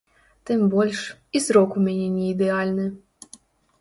Тым больш, і зрок у мяне не ідэальны.